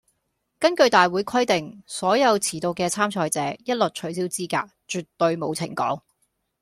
根據大會規定，所有遲到嘅參賽者，一律取消資格，絕對冇情講